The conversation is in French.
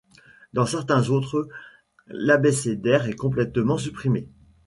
Dans certains autres, l'abécédaire est complètement supprimé.